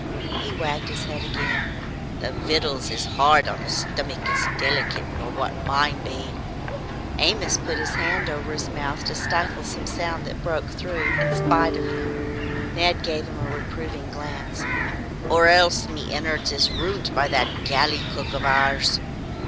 He wagged his head again. "The vittles is hard on a stummick as delikit nor what mine be " Amos put his hand over his mouth to stifle some sound that broke through in spite of him. Ned gave him a reproving glance. "Or else, me innards is ruint by that galley cook of ours."